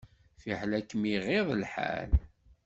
Fiḥel ad kem-iɣiḍ lḥal.